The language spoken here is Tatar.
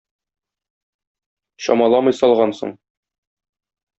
Чамаламый салгансың.